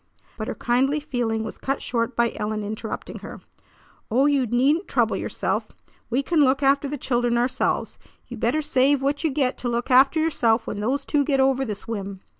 But her kindly feeling was cut short by Ellen interrupting her. "Oh, you needn't trouble yourself! We can look after the children ourselves. You better save what you get to look after yourself when those two get over this whim!"